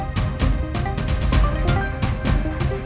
aku mau ke sana